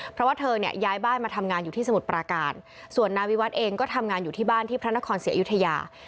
เพราะว่าเธอเนี่ยย้ายบ้านมาทำงานอยู่ที่สมุทรปราการส่วนนายวิวัฒน์เองก็ทำงานอยู่ที่บ้านที่พระนครศรีอยุธยา